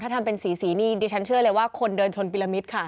ถ้าทำเป็นสีนี่เดี๋ยวฉันเชื่อเลยว่าคนเดินชนพิรามิตค่ะ